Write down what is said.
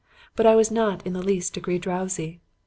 But I was not in the least degree drowsy.